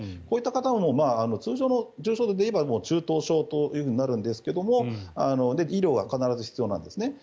こういった方も通常の重症度でいえば中等症になるんですけど医療は必ず必要なんですね。